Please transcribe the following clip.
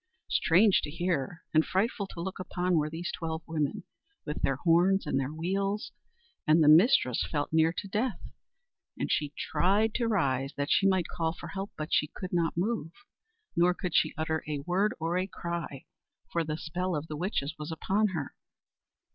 Strange to hear, and frightful to look upon, were these twelve women, with their horns and their wheels; and the mistress felt near to death, and she tried to rise that she might call for help, but she could not move, nor could she utter a word or a cry, for the spell of the witches was upon her.